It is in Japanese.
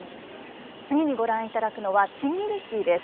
次にご覧いただくのは「千切木」です。